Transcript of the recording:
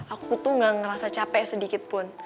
aku tuh gak ngerasa capek sedikit pun